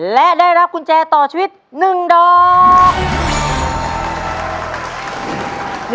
และได้รับกุญแจต่อชีวิต๑ดอก